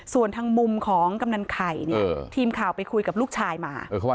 ส่วนทางมุมของกำนันไข่เนี่ยทีมข่าวไปคุยกับลูกชายมา